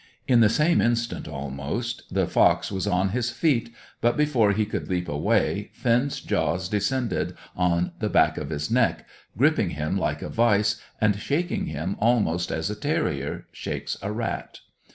In the same instant almost, the fox was on his feet, but before he could leap away, Finn's jaws descended on the back of his neck, gripping him like a vice, and shaking him almost as a terrier shakes a rat.